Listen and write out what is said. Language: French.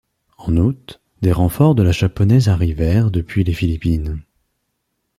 En août, des renforts de la japonaise arrivèrent depuis les Philippines.